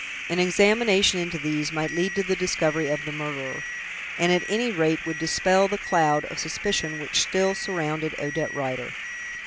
An examination into these might lead to the discovery of the murderer, and at any rate would dispel the cloud of suspicion which still surrounded Odette Rider.